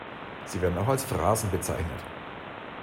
Sie werden auch als Phrasen bezeichnet.